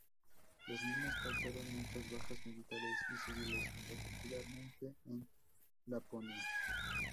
Las minas causaron muchas bajas militares y civiles, particularmente en Laponia.